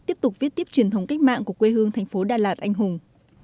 tiếp tục viết tiếp truyền thống cách mạng của quê hương thành phố đà lạt anh hùng